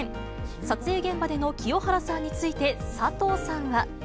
撮影現場での清原さんについて、佐藤さんは。